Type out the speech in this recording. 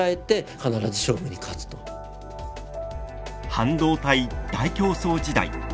半導体大競争時代。